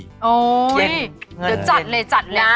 โอ้ยเดี๋ยวจัดเลยจัดเลย